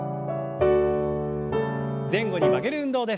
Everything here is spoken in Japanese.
前後に曲げる運動です。